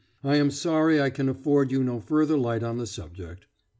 I am sorry I can afford you no further light on the subject.